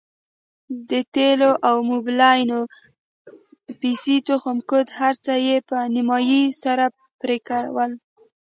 د تېلو او موبلينو پيسې تخم کود هرڅه يې په نيمايي سره پرې کول.